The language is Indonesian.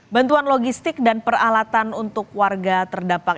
bantuan logistik dan peralatan untuk warga terdampak